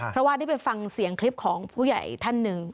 เพราะว่าได้ไปฟังเสียงคลิปของผู้ใหญ่ท่านหนึ่ง